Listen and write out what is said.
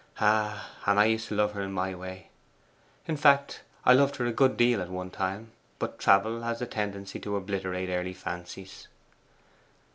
Ah, and I used to love her in my way. In fact, I loved her a good deal at one time; but travel has a tendency to obliterate early fancies.